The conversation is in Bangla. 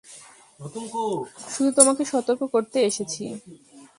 শুধু তোমাকে সতর্ক করতে এসেছি।